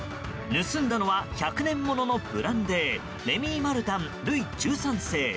盗んだのは１００年物のブランデーレミーマルタンルイ１３世。